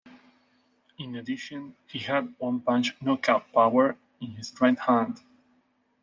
In addition he had one-punch knockout power in his right hand.